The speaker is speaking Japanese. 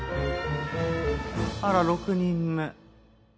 あら６人目。